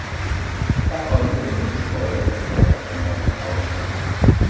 Er konnte mit dem Schleudersitz rechtzeitig aussteigen.